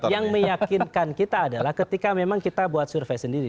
yang meyakinkan kita adalah ketika memang kita buat survei sendiri